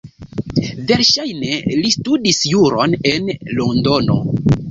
Verŝajne li studis juron en Londono.